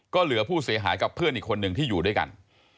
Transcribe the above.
ก็เหลือผู้เสียหายกับเพื่อนอีกคนหนึ่งที่อยู่ด้วยกัน